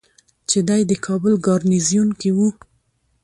چې دی د کابل ګارنیزیون کې ؤ